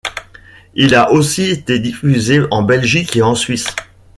Il a aussi été diffusé en Belgique et en Suisse.